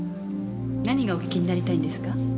何がお聞きになりたいんですか？